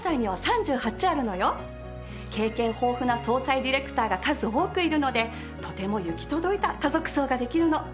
経験豊富な葬祭ディレクターが数多くいるのでとても行き届いた家族葬ができるの。